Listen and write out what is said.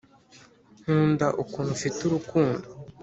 nkunda ukuntu ufite urukundo.